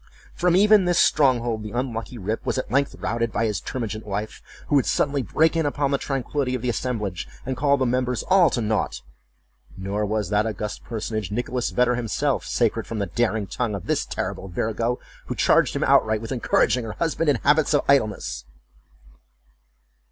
From even this stronghold the unlucky Rip was at length routed by his termagant wife, who would suddenly break in upon the tranquillity of the assemblage and call the members all to naught; nor was that august personage, Nicholas Vedder himself, sacred from the daring tongue of this terrible virago, who charged him outright with encouraging her husband in habits of idleness.